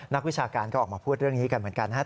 วิชาการก็ออกมาพูดเรื่องนี้กันเหมือนกันนะครับ